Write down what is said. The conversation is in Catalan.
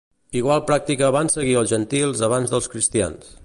Igual pràctica van seguir els gentils abans dels cristians.